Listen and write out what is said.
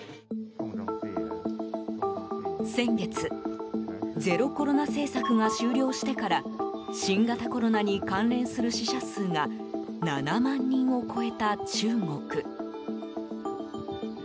先月、ゼロコロナ政策が終了してから新型コロナに関連する死者数が７万人を超えた中国。